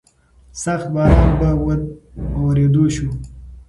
سخت باران په ورېدو شو.